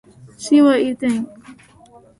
See what you think.